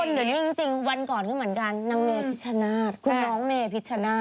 คนเหลือยิงจริงวนก่อนเหมือนกันน้ำเมพิชานาศคุณน้องเมพิชานาศ